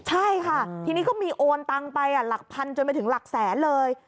ใช่ค่ะทีนี้ก็มีโอนตังไปหลักพันจนไปถึงหลักแสนเลย